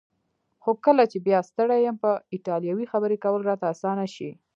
خو کله چې بیا ستړی یم په ایټالوي خبرې کول راته اسانه شي.